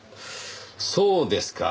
そうですか。